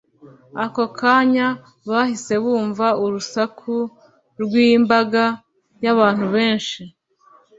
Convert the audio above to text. ako kanya bahise bumva urusaku rw imbaga y abantu benshi